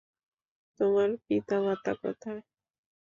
তোমার পিতামাতা কোথায়?